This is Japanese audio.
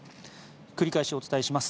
繰り返しお伝えします。